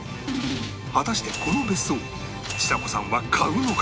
果たしてこの別荘ちさ子さんは買うのか？